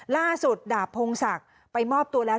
ล่าสุดดาบพงศักดิ์ไปมอบตัวแล้ว